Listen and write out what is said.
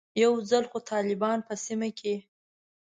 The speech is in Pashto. یو ځل خو طالبان په سیمه کې.